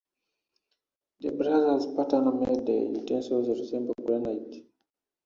The brothers' pattern made the utensils resemble granite.